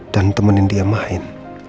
dan temenin dia main